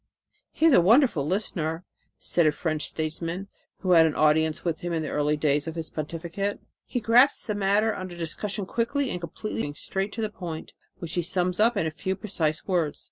"He is a wonderful listener," said a French statesman who had an audience with him in the early days of his pontificate. "He grasps the matter under discussion quickly and completely, going straight to the point, which he sums up in a few precise words.